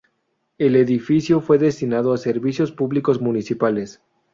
El edificio fue destinado a servicios públicos municipales.